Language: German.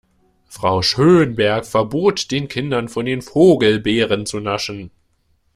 Frau Schönberg verbot den Kindern, von den Vogelbeeren zu naschen.